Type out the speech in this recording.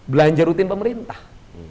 belanja rutin pemerintah